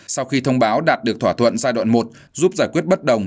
sau khi thông báo đạt được thỏa thuận giai đoạn một giúp giải quyết bất đồng